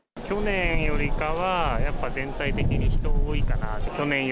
去年よりかは、やっぱ全体的に人多いかな。